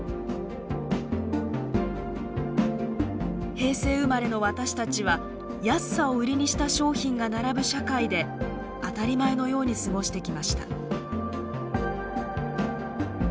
平成生まれの私たちは安さを売りにした商品が並ぶ社会で当たり前のように過ごしてきました。